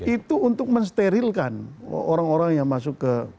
jadi itu untuk mensterilkan orang orang yang masuk ke partai politik